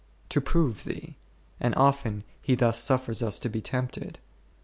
To prove thee ; and often He thus suffers us to be tempted.